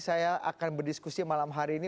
saya akan berdiskusi malam hari ini